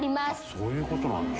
そういう事なんだ。